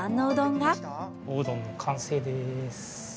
おうどんの完成です。